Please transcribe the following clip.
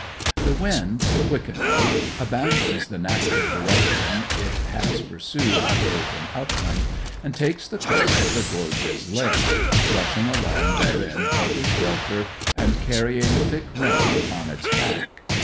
The wind, quickening, abandons the natural direction it has pursued on the open upland, and takes the course of the gorge's length, rushing along therein helter skelter, and carrying thick rain upon its back.